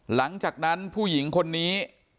หลังจากนั้นผู้หญิงคนนี้